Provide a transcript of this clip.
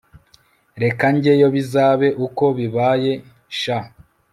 reka njyeyo bizabe uko bibaye sha